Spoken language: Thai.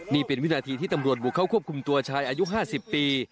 นี่เป็นวินาทีที่ตำรวจบุกเข้าควบคุมตัวชายอายุ๕๐ปี